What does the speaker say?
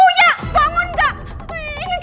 uya bangun gak